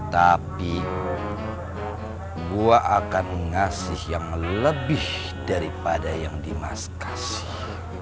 tapi gue akan ngasih yang lebih daripada yang dimas kasih